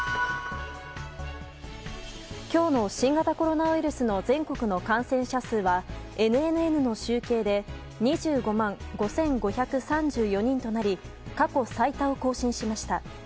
今日の新型コロナウイルスの全国の感染者数はＮＮＮの集計で２５万５５３４人となり過去最多を更新しました。